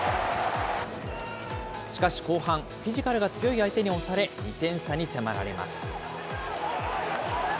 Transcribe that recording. しかし後半、フィジカルが強い相手に押され、２点差に迫られます。